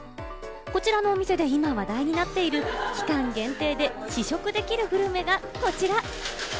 こちらのお店で今話題になっている期間限定で試食できるグルメがこちら。